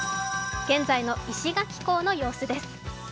現在の石垣港の様子です。